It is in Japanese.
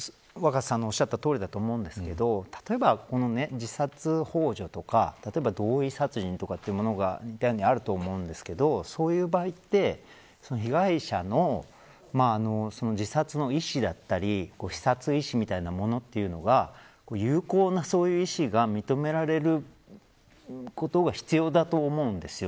若狭さんのおっしゃったとおりだと思うんですけど例えば、自殺ほう助とか同意殺人とかいうものがあると思うんですけどそういう場合って被害者の自殺の意思だったり有効な意思が認められることが必要だと思うんですよ。